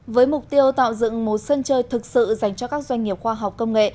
với mục tiêu tạo dựng một sân chơi thực sự dành cho các doanh nghiệp khoa học công nghệ